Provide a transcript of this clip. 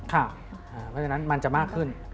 เพราะฉะนั้นมันจะมากขึ้น